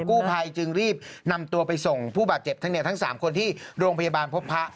กู้ภัยจึงรีบนำตัวไปส่งผู้บาดเจ็บทั้ง๓คนที่โรงพยาบาลพบพระ